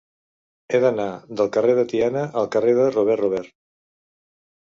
He d'anar del carrer de Tiana al carrer de Robert Robert.